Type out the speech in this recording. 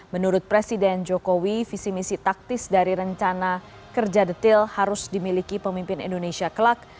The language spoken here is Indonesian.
menurut presiden jokowi visi misi taktis dari rencana kerja detail harus dimiliki pemimpin indonesia kelak